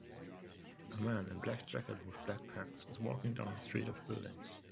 A man in a black jacket with black pants is walking down a street of buildings.